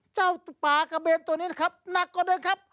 เจ้าปลากระเบนตัวนี้นะครับหนักกว่าเดิมครับ